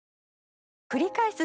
くりかえす